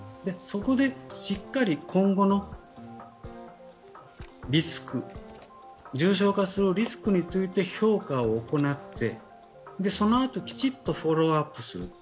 そこでしっかり今後のリスク、重症化のリスクについて評価を行って、そのあときちんとフォローアップする。